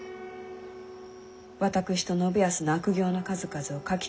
私と信康の悪行の数々を書き連ねるのです。